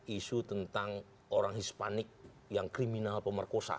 isu tentang orang hispanik yang kriminal pemerkosa